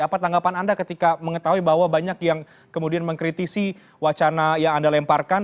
apa tanggapan anda ketika mengetahui bahwa banyak yang kemudian mengkritisi wacana yang anda lemparkan